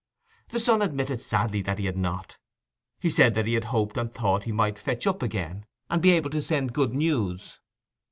The son admitted sadly that he had not. He said that he had hoped and thought he might fetch up again, and be able to send good news.